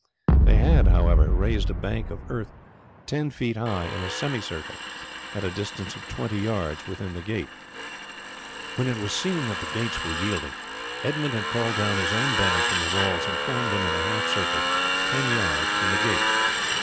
They had, however, raised a bank of earth ten feet high in a semicircle at a distance of twenty yards within the gate. When it was seen that the gates were yielding Edmund had called down his own band from the walls and formed them in a half circle ten yards from the gate.